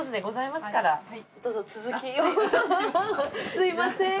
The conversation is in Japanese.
すみません。